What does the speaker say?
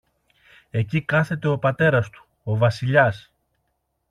Εκεί κάθεται ο πατέρας του, ο Βασιλιάς.